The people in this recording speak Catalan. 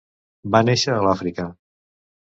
Va néixer a l'Àfrica.